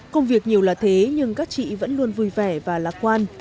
công việc nhiều là thế nhưng các chị vẫn luôn vui vẻ và lạc quan